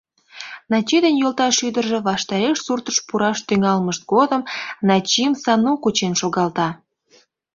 Начи ден йолташ ӱдыржӧ ваштареш суртыш пураш тӱҥалмышт годым Начим Сану кучен шогалта.